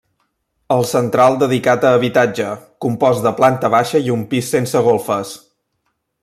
El central dedicat a habitatge, compost de planta baixa i un pis sense golfes.